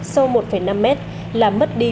sau một năm m là mất đi